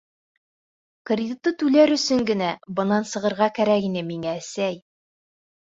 Кредитты түләр өсөн генә бынан сығырға кәрәк ине миңә, әсәй.